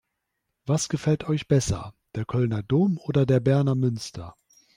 Was gefällt euch besser: Der Kölner Dom oder der Berner Münster?